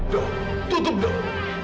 do tutup dong